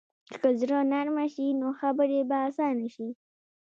که زړه نرمه شي، نو خبرې به اسانه شي.